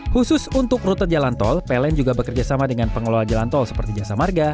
khusus untuk rute jalan tol pln juga bekerjasama dengan pengelola jalan tol seperti jasa marga